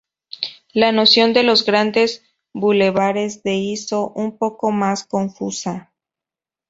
La noción de los Grandes Bulevares de hizo un poco más confusa.